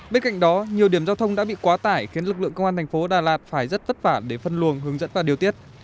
bên cạnh đó nhiều điểm giao thông đã bị quá tải khiến lực lượng công an thành phố đà lạt phải rất vất vả để phân luồng hướng dẫn và điều tiết